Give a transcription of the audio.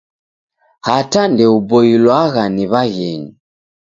Hata ndeuboilwagha ni w'aghenyu!